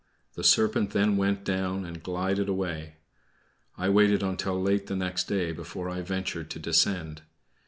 The serpent then went down and glided away. I waited until late the next day before I ventured to descend.